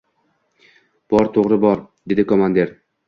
— Bor, to‘g‘ri, bor, — dedi komandir.